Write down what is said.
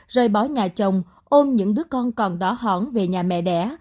rời bỏ nhà chồng ôm những đứa con còn đó hỏng về nhà mẹ đẻ